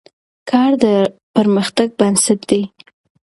کار د پرمختګ بنسټ دی.